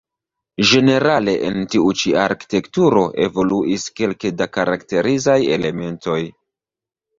Ĝenerale en tiu ĉi arkitekturo evoluis kelke da karakterizaj elementoj.